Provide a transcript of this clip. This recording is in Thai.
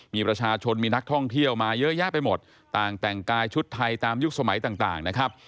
มีประชาชนมีนักท่องเที่ยวมาเยอะแยะไปหมดต่างแต่งกายชุดไทยตามยุคสมัยต่างนะครับ